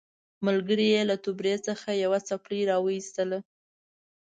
ملګري یې له توبرې څخه یوه څپلۍ راوایستله.